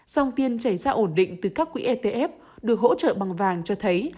song tiên chảy ra ổn định từ các quỹ etf được hỗ trợ bằng vàng cho thấy